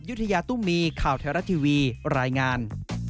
ยุธยาตุมีข่าวเทราทีวีรายงาน